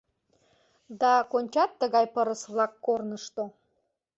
Да кончат тыгай пырыс-влак корнышто